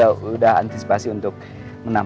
aku udah kukira buyers yang menyesal